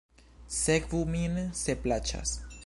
Sekvu min, se plaĉas.